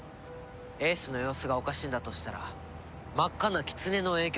英寿の様子がおかしいんだとしたら真っ赤なキツネの影響かもしれない。